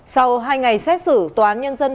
sau hai ngày xét xử tnn